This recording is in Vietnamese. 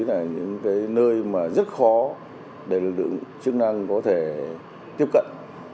là những cái nơi mà rất khó để được chức năng có thể tiếp cận